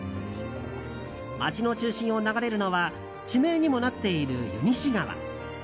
街の中心を流れるのは地名にもなっている湯西川。